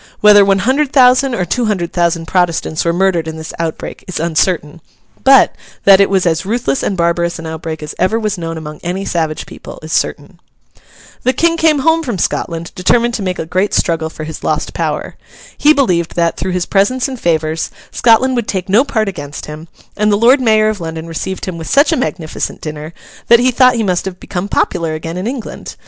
Whether one hundred thousand or two hundred thousand Protestants were murdered in this outbreak, is uncertain; but, that it was as ruthless and barbarous an outbreak as ever was known among any savage people, is certain. The King came home from Scotland, determined to make a great struggle for his lost power. He believed that, through his presents and favours, Scotland would take no part against him; and the Lord Mayor of London received him with such a magnificent dinner that he thought he must have become popular again in England.